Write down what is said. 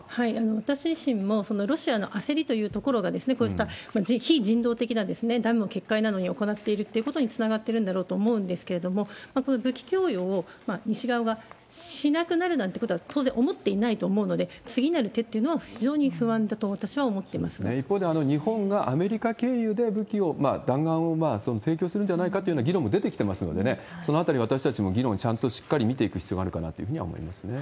私自身も、ロシアの焦りというところが、こういった非人道的なダムを決壊などを行っているということにつながってるんだろうと思うんですけれども、この武器供与を西側がしなくなるなんてことは当然思っていないと思うので、次なる手っていうのは、非常に不一方で、日本がアメリカ経由で武器を、弾丸を提供するんじゃないかという議論も出てきていますので、そのあたり、私たちも議論、ちゃんとしっかり見ていく必要あるかなというふうには思いますね。